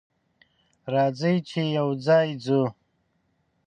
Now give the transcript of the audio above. راځه چې یوځای ځو.